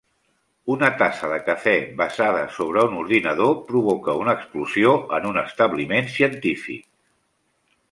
Una tassa de cafè vessada sobre un ordinador provoca una explosió en un establiment científic.